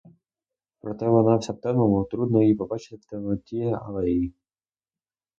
Правда, вона вся в темному, трудно її побачити в темноті алеї.